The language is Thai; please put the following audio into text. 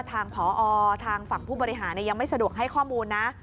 ทางพอทางฝั่งผู้บริหารยังไม่สะดวกให้ข้อมูลนะ